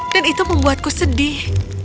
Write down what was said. dan itu membuatku sedih